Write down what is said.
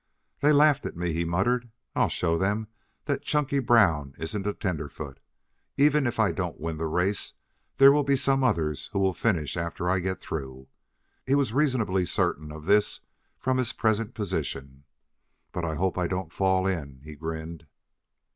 "They laughed at me," he muttered. "I'll show them that Chunky Brown isn't a tenderfoot. Even if I don't win the race, there will be some others who will finish after I get through." He was reasonably certain of this from his present position. "But I hope I don't fall in," he grinned.